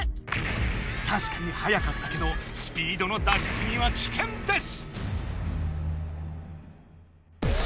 たしかに速かったけどスピードの出しすぎはキケンです！